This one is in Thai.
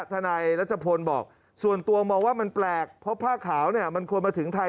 ทนายรัชพลบอกส่วนตัวมองว่ามันแปลกเพราะผ้าขาวเนี่ยมันควรมาถึงไทย